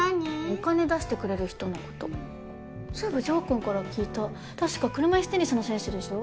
お金出してくれる人のことそういえば城君から聞いた確か車いすテニスの選手でしょ？